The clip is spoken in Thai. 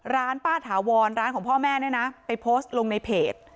ร้านป้าถาวรร้านของพ่อแม่เนี่ยนะไปโพสต์ลงในเพจ